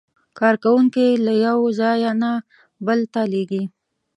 کارکوونکي یې له یو ځای نه بل ته لېږي.